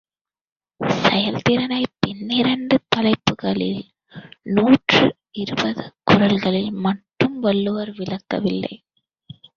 செயல்திறனைப் பன்னிரண்டு தலைப்புக்களில் நூற்று இருபது குறள்களில் மட்டும் வள்ளுவர் விளக்கவில்லை.